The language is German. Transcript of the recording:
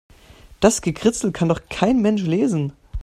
Das Gekritzel kann doch kein Mensch lesen.